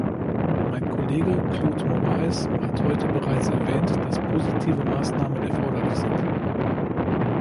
Mein Kollege Claude Moraes hat heute bereits erwähnt, dass positive Maßnahmen erforderlich sind.